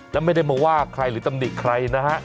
แล้วไม่ได้มาว่าใครหรือตำหนิใครนะฮะ